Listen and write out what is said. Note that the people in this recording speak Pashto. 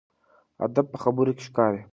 ادب په خبرو کې ښکاري.